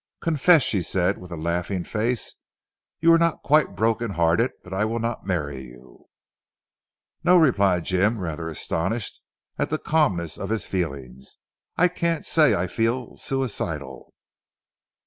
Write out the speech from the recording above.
"Confess," she said with a laughing face, "you are not quite brokenhearted that I will not marry you?" "No!" replied Jim rather astonished at the calmness of his feelings. "I can't say I feel suicidal."